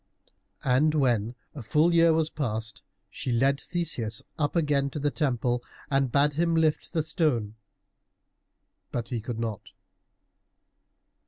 And when a full year was past, she led Theseus up again to the temple and bade him lift the stone, but he could not.